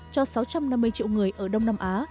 cho sáu trăm năm mươi triệu người ở đông nam á